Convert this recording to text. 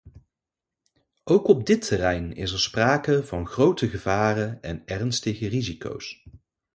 Ook op dit terrein is er sprake van grote gevaren en ernstige risico's.